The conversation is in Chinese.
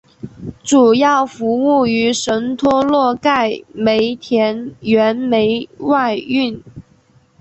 主要服务于和什托洛盖煤田原煤外运。